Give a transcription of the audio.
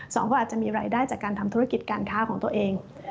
เขาก็อาจจะมีรายได้จากการทำธุรกิจการค้าของตัวเอง